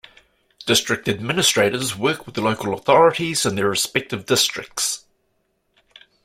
District Administrators work with local authories in their respective districts.